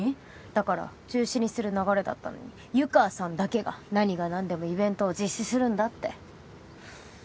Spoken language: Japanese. だから中止にする流れだったのに湯川さんだけが何がなんでもイベントを実施するんだって。